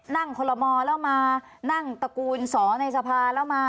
คนละมอแล้วมานั่งตระกูลสอในสภาแล้วมา